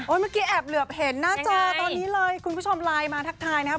เมื่อกี้แอบเหลือบเห็นหน้าจอตอนนี้เลยคุณผู้ชมไลน์มาทักทายนะครับ